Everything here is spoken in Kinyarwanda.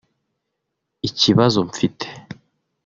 ikibazo mfite